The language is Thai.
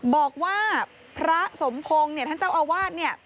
บอกว่าพระสมคงท่านเจ้าอาวาส